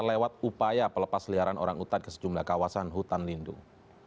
lewat upaya pelepas liaran orang utan ke sejumlah kawasan hutan lindung